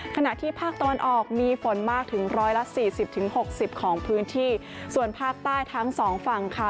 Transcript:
ขณะที่ภาคตะวันออกมีฝนมากถึงร้อยละสี่สิบถึงหกสิบของพื้นที่ส่วนภาคใต้ทั้งสองฝั่งค่ะ